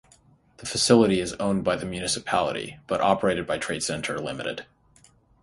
The facility is owned by the municipality but operated by Trade Centre Limited.